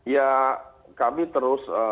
ya kami terus